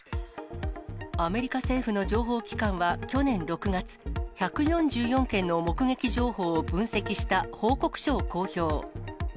アメリカ政府の情報機関は去年６月、１４４件の目撃情報を分析した報告書を公表。